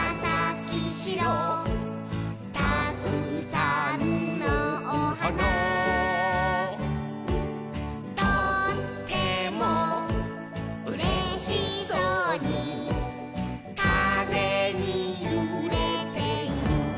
「たくさんのおはな」「とってもうれしそうにかぜにゆれている」